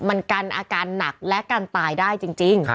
มันกันอาการหนักและกันตายได้จริง